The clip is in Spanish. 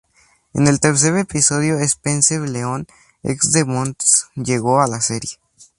En el tercer episodio Spencer León, ex de Montse llego a la serie.